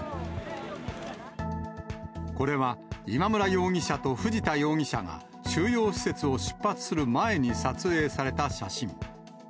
これは今村容疑者と藤田容疑者が、収容施設を出発する前に撮影された写真。